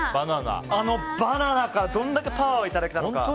あのバナナからどんだけパワーをいただけたのか。